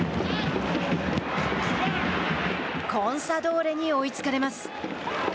コンサドーレに追いつかれます。